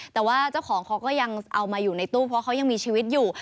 แต่ว่าเจ้าของเขาก็ยังเอามาอยู่ในตู้เพราะเขายังมีชีวิตอยู่